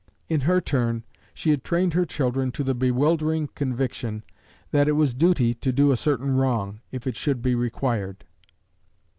In her turn, she had trained her children to the bewildering conviction that it was duty to do a certain wrong, if it should be required.